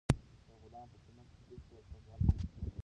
د غلام په قیمت کې هېڅ ډول کموالی ونه شو.